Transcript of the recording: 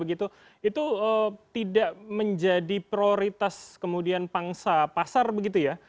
itu tidak menjadi prioritas kemudian pangsa pasar begitu ya